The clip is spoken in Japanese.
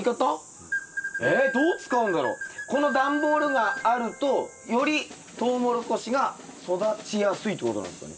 この段ボールがあるとよりトウモロコシが育ちやすいってことなんですかね？